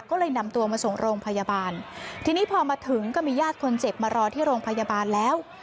ก็เลยนำตัวมาส่งโรงพยาบาลทีนี้พอมาถึงก็มีญาติคนเจ็บมารอที่โรงพยาบาลแล้ว